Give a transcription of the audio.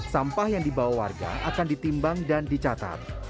sampah yang dibawa warga akan ditimbang dan dicatat